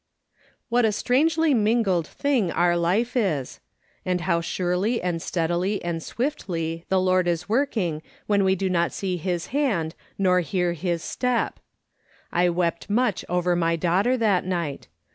What a strangely mingled thing our life is ! And how surely and steadily and swiftly the Lord is work ing when we do not see his hand nor hear his step ! I wept much over my daughter that night.